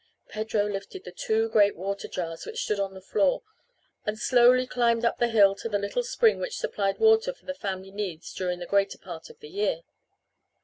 Pedro lifted the two great water jars which stood on the floor and slowly climbed up the hill to the little spring which supplied water for the family needs during the greater part of the year.